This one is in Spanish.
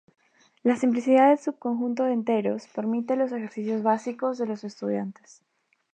La simplicidad del subconjunto de enteros permite los ejercicios básicos de los estudiantes.